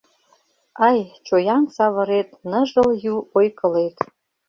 Ай, чоян савырет Ныжыл ю ой-кылет.